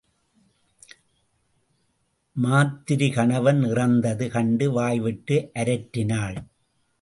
மாத்திரி கணவன் இறந்தது கண்டு வாய்விட்டு அரற்றினாள்.